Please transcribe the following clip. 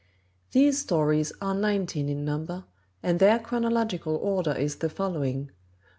These stories are nineteen in number, and their chronological order is the following: 1.